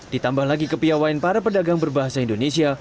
ditambah lagi kepiawain para pedagang berbahasa indonesia